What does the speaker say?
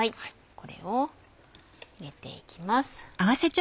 これを入れていきます。